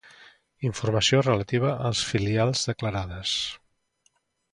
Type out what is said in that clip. Informació relativa a les filials declarades.